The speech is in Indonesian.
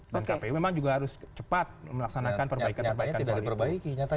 dan kpu memang juga harus cepat melaksanakan perbaikan perbaikan soal itu